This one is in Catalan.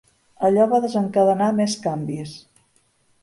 Allò va desencadenar més canvis.